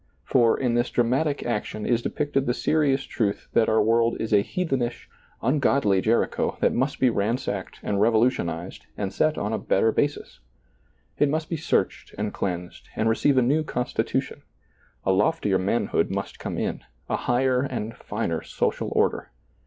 For, in this dramatic action is depicted the serious truth that our world is a heathenish, ungodly Jericho that must be ransacked and revolutionized and set on a better basis ; it must be searched and cleansed and receive a new constitution ; a loftier manhood must come in, a higher and finer social order.